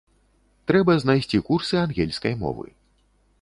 Трэба знайсці курсы ангельскай мовы.